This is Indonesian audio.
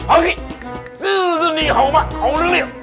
oke sila seni haumat haulunir